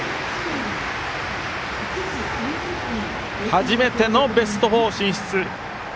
初めてのベスト４進出。